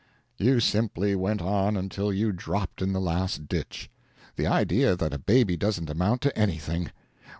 You simply went on until you dropped in the last ditch. The idea that a baby doesn't amount to anything!